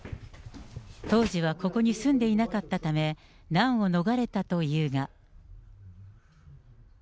当時はここに住んでいなかったため、難を逃れたというが。